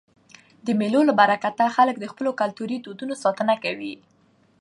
د مېلو له برکته خلک د خپلو کلتوري دودونو ساتنه کوي.